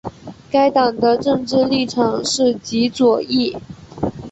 该党的政治立场是极左翼。